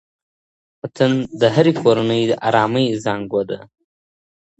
وطن د هرې کورنۍ د ارامۍ زانګو ده.